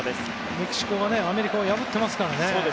メキシコはアメリカを破ってますからね。